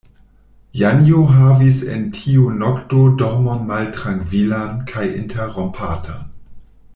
Janjo havis en tiu nokto dormon maltrankvilan kaj interrompatan.